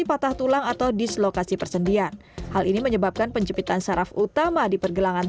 patah tulang atau dislokasi persendian hal ini menyebabkan penjepitan saraf utama di pergelangan